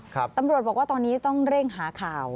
ตำรวจบอกว่าตอนนี้ต้องเร่งหาข่าว